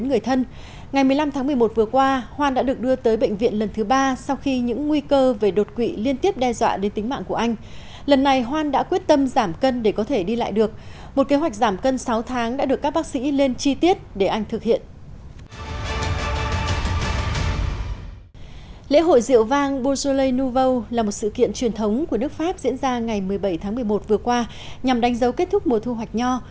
lễ hội rượu vang bourjolais nouveau là một sự kiện truyền thống của nước pháp diễn ra ngày một mươi bảy tháng một mươi một vừa qua nhằm đánh dấu kết thúc mùa thu hoạch nho